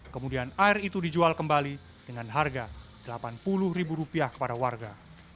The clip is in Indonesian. kemudian air itu dijual kembali dengan harga rp delapan puluh ribu rupiah kepada warga